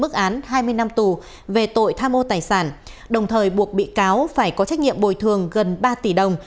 tòa án hai mươi năm tù về tội tha mô tài sản đồng thời buộc bị cáo phải có trách nhiệm bồi thường gần ba tỷ đồng